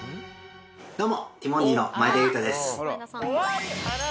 どうも！